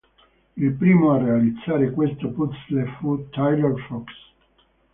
Il primo a realizzare questo puzzle fu Tyler Fox.